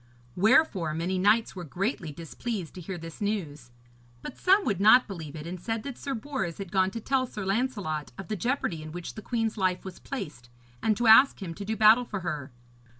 Wherefore many knights were greatly displeased to hear this news, but some would not believe it, and said that Sir Bors had gone to tell Sir Lancelot of the jeopardy in which the queen's life was placed, and to ask him to do battle for her.